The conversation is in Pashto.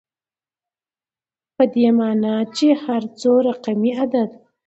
په دې معني چي هر څو رقمي عدد